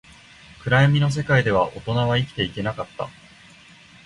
暗闇の世界では、大人は生きていけなかった